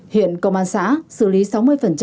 hiện nay công an xã đã đưa công an xã